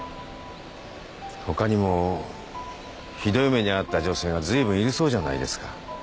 ほかにもひどい目に遭った女性がずいぶんいるそうじゃないですか。